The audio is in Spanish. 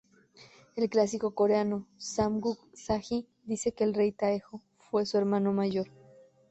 El clásico coreano, "Samguk Sagi" dice que el rey Taejo fue su hermano mayor.